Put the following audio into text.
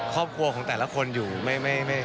ครอบครัวของแต่ละคนอยู่ไม่